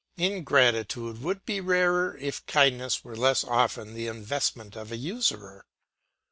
Ingratitude would be rarer if kindness were less often the investment of a usurer.